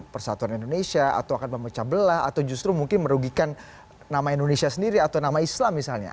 persatuan indonesia atau akan memecah belah atau justru mungkin merugikan nama indonesia sendiri atau nama islam misalnya